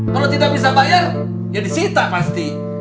kalau tidak bisa bayar ya disita pasti